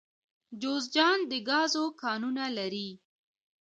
جوزجان د ګازو کانونه لري